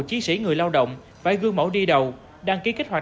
chí sĩ người lao động phải gương mẫu đi đầu đăng ký kích hoạt